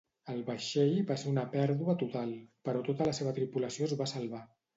El vaixell va ser una pèrdua total, però tota la seva tripulació es va salvar.